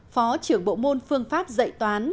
phó trưởng bộ môn phương pháp dạy toán